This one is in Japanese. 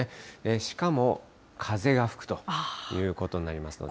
しかも風が吹くということになりますので。